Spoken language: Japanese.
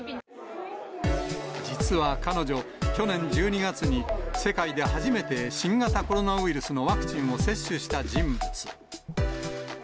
実は彼女、去年１２月に、世界で初めて新型コロナウイルスのワクチンを接種した人物。